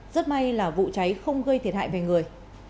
rất may là vụ cháy không gây thiệt hại về người